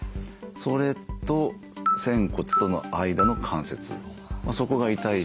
それと仙骨との間の関節そこが痛い人もいます。